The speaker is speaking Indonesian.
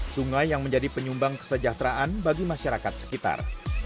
sungai yang menjadi penyumbang kesejahteraan bagi masyarakat sekitar